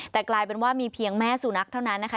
แต่กลายเป็นว่ามีเพียงแม่สุนัขเท่านั้นนะคะ